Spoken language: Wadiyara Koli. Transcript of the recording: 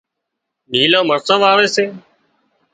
نيلان مرسان واوي سي